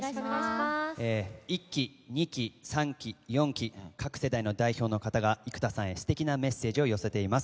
１期、２期、３期、４期各世代の代表の方が生田さんへすてきなメッセージを寄せています。